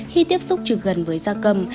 khi tiếp xúc trực gần với da cầm